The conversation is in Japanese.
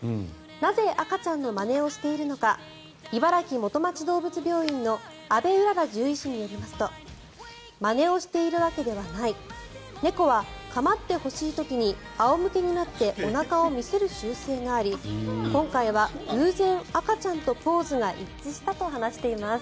なぜ赤ちゃんのまねをしているのか茨木元町どうぶつ病院の阿部麗獣医師によりますとまねをしているわけではない猫は構ってほしい時に仰向けになっておなかを見せる習性があり今回は偶然、赤ちゃんとポーズが一致したと話しています。